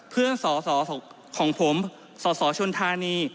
เพื่อนส่อของผมส่อชนธานี